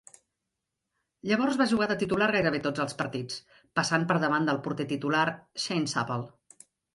Llavors va jugar de titular gairebé tots els partits, passant per davant del porter titular, Shane Supple.